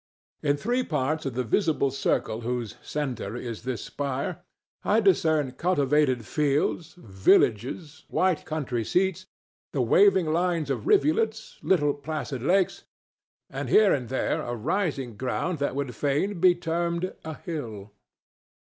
In three parts of the visible circle whose centre is this spire I discern cultivated fields, villages, white country seats, the waving lines of rivulets, little placid lakes, and here and there a rising ground that would fain be termed a hill.